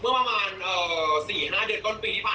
เมื่อประมาณสี่ห้าเดือนก่อนปีที่ผ่านมา